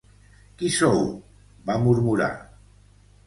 "Qui sou?", va murmurar.